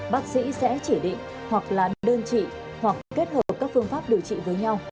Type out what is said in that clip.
bác sĩ sẽ chỉ định hoặc là đơn trị hoặc kết hợp các phương pháp điều trị với nhau